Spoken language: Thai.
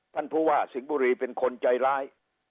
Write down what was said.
ท่านผู้ว่าสิงห์บุรีเป็นคนใจร้าย